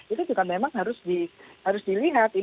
itu juga memang harus dilihat